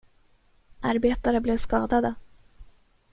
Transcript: Arbetare blev skadade.